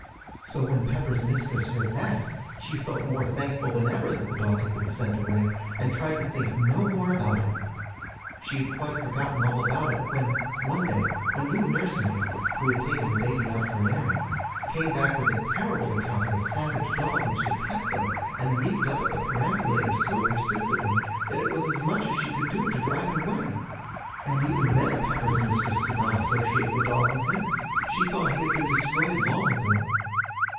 'So when Pepper's mistress heard that, she felt more thankful than ever that the dog had been sent away, and tried to think no more about him. She had quite forgotten all about it, when, one day, a new nursemaid, who had taken the baby out for an airing, came back with a terrible account of a savage dog which had attacked them, and leaped up at the perambulator so persistently that it was as much as she could do to drive it away. And even then Pepper's mistress did not associate the dog with him; she thought he had been destroyed long ago.